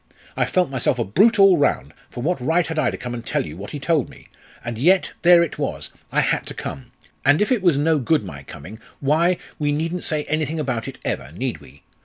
I felt myself a brute all round; for what right had I to come and tell you what he told me? And yet, there it was I had to come. And if it was no good my coming, why, we needn't say anything about it ever, need we?